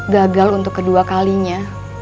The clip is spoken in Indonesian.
gagal untuk kedua kalinya